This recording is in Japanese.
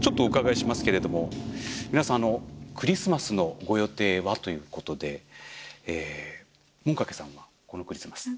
ちょっとお伺いしますけれども皆さんクリスマスのご予定はということでもんかけさんはこのクリスマス？